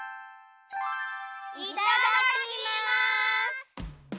いただきます！